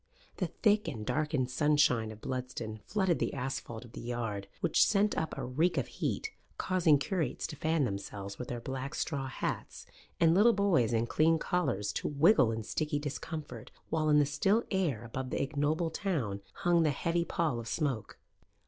The thick and darkened sunshine of Bludston flooded the asphalt of the yard, which sent up a reek of heat, causing curates to fan themselves with their black straw hats, and little boys in clean collars to wriggle in sticky discomfort, while in the still air above the ignoble town hung the heavy pall of smoke.